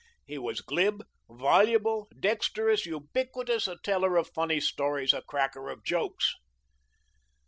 He was glib, voluble, dexterous, ubiquitous, a teller of funny stories, a cracker of jokes.